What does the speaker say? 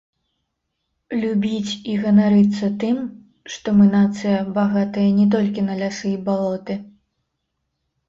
Любіць і ганарыцца тым, што мы нацыя, багатая не толькі на лясы і балоты.